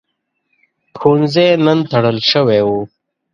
ښوونځی نن تړل شوی و.